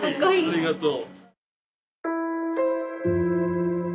ありがとう。